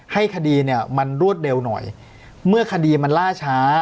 คดีเนี่ยมันรวดเร็วหน่อยเมื่อคดีมันล่าช้า